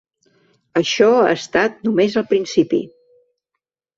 Això ha estat només el principi.